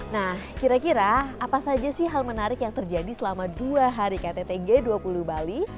nah kira kira apa saja sih hal menarik yang terjadi selama dua hari ktt g dua puluh bali